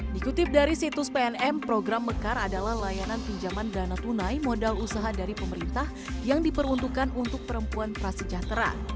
dikutip dari situs pnm program mekar adalah layanan pinjaman dana tunai modal usaha dari pemerintah yang diperuntukkan untuk perempuan prasejahtera